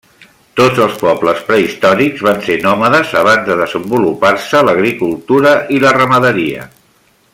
Tots els pobles prehistòrics van ser nòmades abans de desenvolupar-se l'agricultura i la ramaderia.